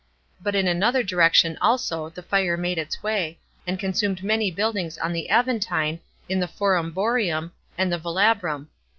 But in another direction, also, the fire made its way, and consumed many buildings on the Aventine, in the Forum Boarium, and the Velabrum.